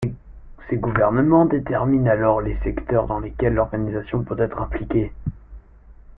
Ces gouvernements déterminent alors les secteurs dans lesquels l'organisation peut être impliquée.